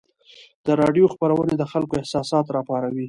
د راډیو خپرونې د خلکو احساسات راپاروي.